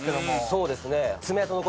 そうですね。